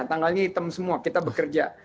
tanggalnya hitam semua kita bekerja